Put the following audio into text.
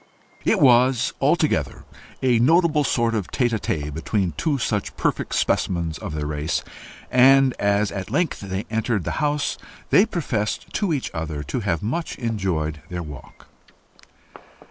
It was altogether a notable sort of tête à tête between two such perfect specimens of the race, and as at length they entered the house, they professed to each other to have much enjoyed their walk.